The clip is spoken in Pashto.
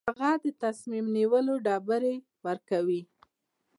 هغه د تصمیم نیولو ډبرې ورکوي.